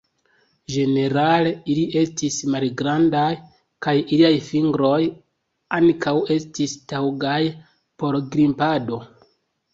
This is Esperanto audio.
Ĝenerale ili estis malgrandaj, kaj iliaj fingroj ankaŭ estis taŭgaj por grimpado.